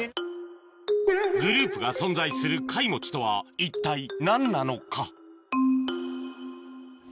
グループが存在するカイモチとは一体何なのか？